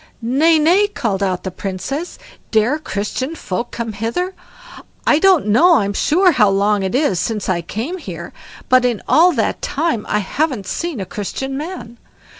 "Nay, nay", called out the Princess, "dare Christian folk come hither? I don't know I'm sure how long it is since I came here, but in all that time I haven't seen a Christian man.